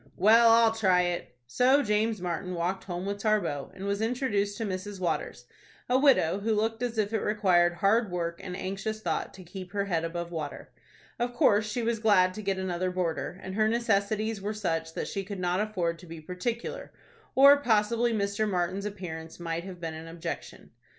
"Well, I'll try it." So James Martin walked home with Tarbox, and was introduced to Mrs. Waters,—a widow who looked as if it required hard work and anxious thought to keep her head above water. Of course she was glad to get another boarder, and her necessities were such that she could not afford to be particular, or possibly Mr. Martin's appearance might have been an objection.